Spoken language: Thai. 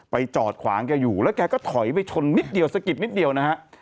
ไปจอดขวางแกอยู่แล้วแกก็ถอยไปชนสะกิดนิดเดียวนะครับ